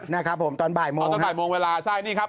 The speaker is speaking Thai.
นะครับผมตอนบ่ายโมงอ๋อตอนบ่ายโมงเวลาใช่นี่ครับ